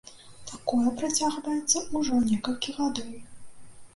Такое працягваецца ўжо некалькі гадоў.